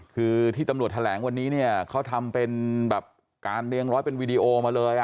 คือที่ตำรวจแถลงวันนี้เนี่ยเขาทำเป็นแบบการเรียงร้อยเป็นวีดีโอมาเลย